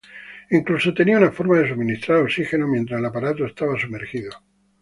Incluso tenía una forma de suministrar oxígeno mientras el aparato estaba sumergido.